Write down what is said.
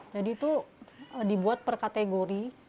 jadi itu dibuat per kategori